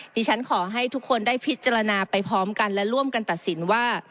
ดิฉันขอให้ทุกคนได้พิจารณาไปพร้อมกันและร่วมกันตัดสินว่า